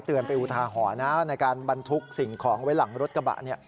เตือนไปอุทาหรณะว่าในการบันทุกข์สิ่งของไว้หลังรถกระตา